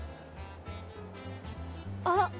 あっ。